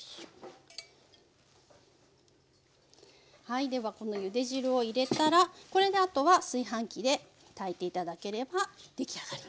はいではこのゆで汁を入れたらこれであとは炊飯器で炊いて頂ければ出来上がり。